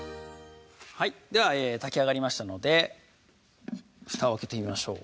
はいでは炊き上がりましたのでふたを開けてみましょう